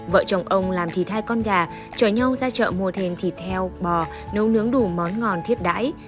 vợ chồng ông làm thịt hai con gà chở nhau ra chợ mua thêm thịt heo bò nấu nướng đủ món ngon thiết đã